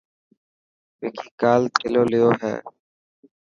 وڪي ڪال ٿيلو ليو هي.